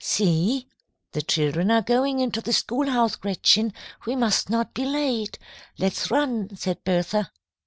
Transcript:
'" "See! the children are going into the schoolhouse, Gretchen. We must not be late. Let's run," said Bertha.